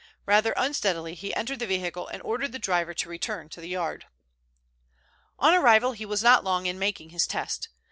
Rather unsteadily he entered the vehicle and ordered the driver to return to the Yard. On arrival he was not long in making his test.